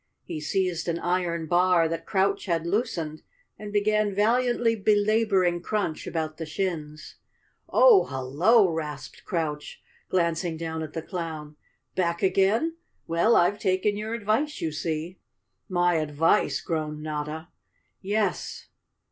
He seized an iron bar that Crouch had loosened and began valiantly belab¬ oring Crunch about the shins. "Oh, hello!" rasped Crouch, glancing down at the clown. "Back again? Well, I've taken your advice, you see." "My advice!" groaned Notta. " Yes."